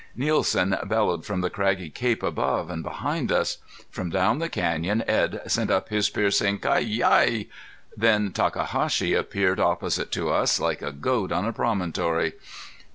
Nielsen bellowed from the craggy cape above and behind us. From down the canyon Edd sent up his piercing: "Ki Yi!" Then Takahashi appeared opposite to us, like a goat on a promontory.